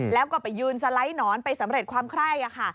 แล้วก็ไปยืนสไลด์หนอนไปสำเร็จความไคร้ค่ะ